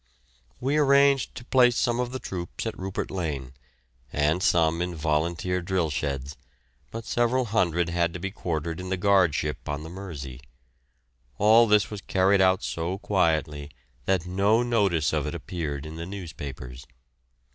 We arranged to place some of the troops at Rupert Lane, and some in volunteer drillsheds, but several hundred had to be quartered in the guard ship on the Mersey. All this was carried out so quietly that no notice of it appeared in the newspapers.